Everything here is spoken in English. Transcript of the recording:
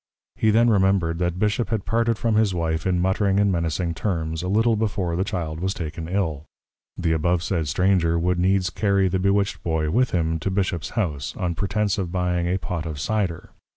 _ He then remembred, that Bishop had parted from his Wife in muttering and menacing Terms, a little before the Child was taken Ill. The abovesaid Stranger would needs carry the bewitched Boy with him, to Bishop's House, on pretence of buying a pot of Cyder.